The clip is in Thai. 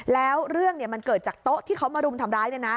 แล้วเรื่องเนี่ยมันเกิดจากโต๊ะที่เขามารุมทำร้ายเนี่ยนะ